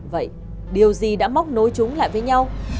vậy điều gì đã móc nối chúng lại với nhau